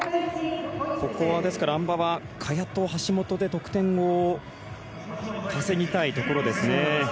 あん馬は、萱と橋本で得点を稼ぎたいところですね。